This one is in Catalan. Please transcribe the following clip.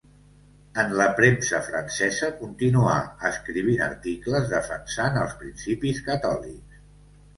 En la premsa francesa continuà escrivint articles defensant els principis catòlics.